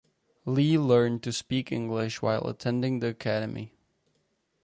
Lee learned to speak English while attending the academy.